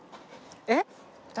えっ？